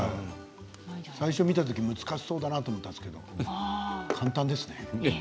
最初見たとき難しそうだなと思ったんですが、簡単ですね。